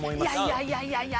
いやいやいやいや。